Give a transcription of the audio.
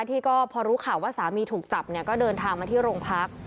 ที่ก็พอรู้ข่าวว่าสามีถูกจับเนี่ยก็เดินทางมาที่โรงพัก